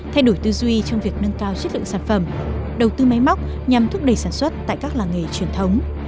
thay đổi tư duy trong việc nâng cao chất lượng sản phẩm đầu tư máy móc nhằm thúc đẩy sản xuất tại các làng nghề truyền thống